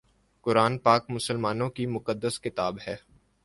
قرآن پاک مسلمانوں کی مقدس کتاب ہے